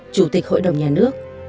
chủ tịch hội đồng nhà nước